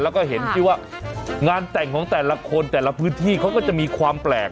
แล้วก็เห็นที่ว่างานแต่งของแต่ละคนแต่ละพื้นที่เขาก็จะมีความแปลก